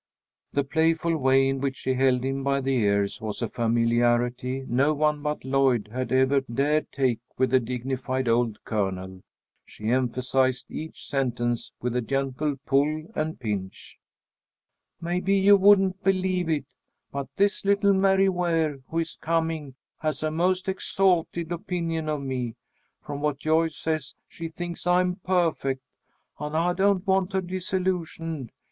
The playful way in which she held him by the ears was a familiarity no one but Lloyd had ever dared take with the dignified old Colonel. She emphasized each sentence with a gentle pull and pinch. "Maybe you wouldn't believe it, but this little Mary Ware who is coming, has a most exalted opinion of me. From what Joyce says she thinks I am perfect, and I don't want her disillusioned.